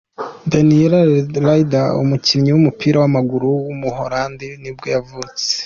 Daniël de Ridder, umukinnyi w’umupira w’amaguru w’umuholandi nibwo yavutse.